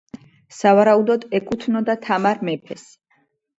სავარაუდოდ ეკუთვნოდა თამარ მეფეს.